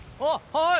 はい！